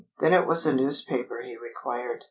Then it was a newspaper he required.